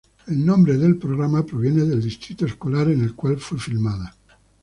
El nombre del programa proviene del distrito escolar en el cual fue filmada.